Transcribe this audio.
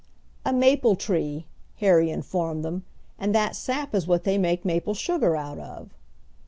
"A maple tree," Harry informed them, "and that sap is what they make maple sugar out of."